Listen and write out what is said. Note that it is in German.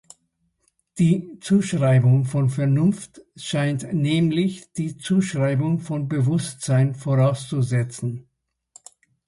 Die Zuschreibung von Vernunft scheint nämlich die Zuschreibung von Bewusstsein vorauszusetzen.